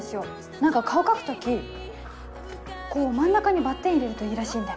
何か顔描く時こう真ん中にバッテン入れるといいらしいんで。